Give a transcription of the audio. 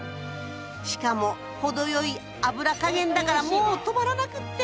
しかも程良い脂加減だからもう止まらなくって！